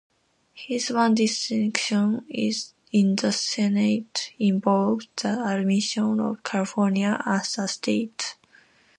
His one distinction in the Senate involved the admission of California as a state.